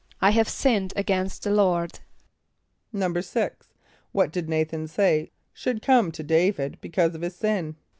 ="I have sinned against the Lord."= =6.= What did N[=a]´than say should come to D[=a]´vid because of his sin?